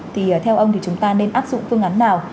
thì theo ông thì chúng ta nên áp dụng phương án nào